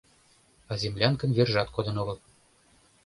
А землянкын вержат кодын огыл;